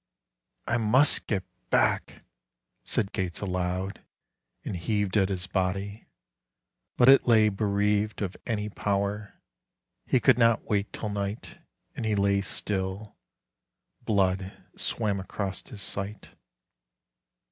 "I must get back," said Gates aloud, and heaved At his body. But it lay bereaved Of any power. He could not wait till night.... And he lay still. Blood swam across his sight.